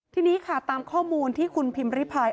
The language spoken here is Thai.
ทีนี้ค่ะตามข้อมูลที่คุณพิมพ์ริพาย